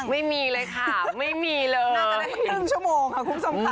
ไม่มีเลยค่ะไม่มีเลยน่าจะได้นึงชั่วโมงค่ะคุณสมศัพท์